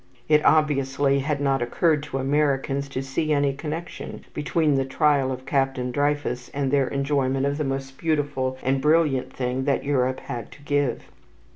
It obviously had not occurred to Americans to see any connection between the trial of Captain Dreyfus and their enjoyment of the most beautiful and brilliant thing that Europe had to give.